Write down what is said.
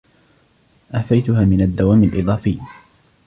اعفيتها من الدوام الاضافي.